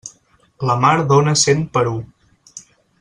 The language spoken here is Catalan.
La mar dóna cent per u.